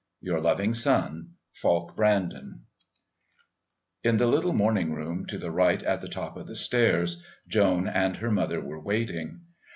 Your loving son, FALK BRANDON. In the little morning room to the right at the top of the stairs Joan and her mother were waiting.